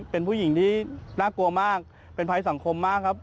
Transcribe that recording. เป็นผู้หญิงที่น่ากลัวมากเป็นภัยสังคมมากครับ